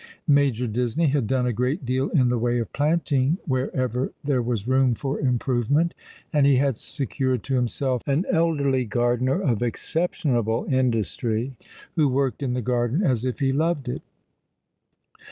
Mrijor Disney had done a great deal in the way of planting ^' But the Days drop One by One'* 23 wherever tliere was room for improvement, and ho had secured to himself an elderly gardener of exceptional in dustry, who worked in the garden as if he loved it.